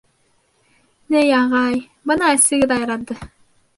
— Ни, ағай, бына әсегеҙ айранды...